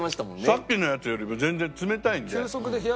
さっきのやつよりも全然冷たいんで。